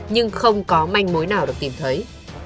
nhưng không có manh mối nào được tìm thấy